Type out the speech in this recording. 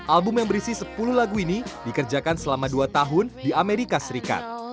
album yang berisi sepuluh lagu ini dikerjakan selama dua tahun di amerika serikat